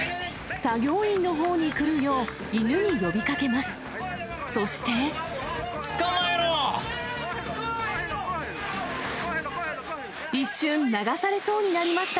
作業員のほうに来るよう、犬に呼びかけます。